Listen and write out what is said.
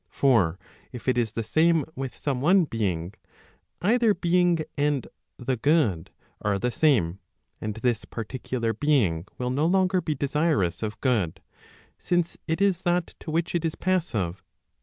For if it is the same with some one being, either being and the good are the same, and this particular being will no longer be desirous of good, since it is that to which it is passive, [i.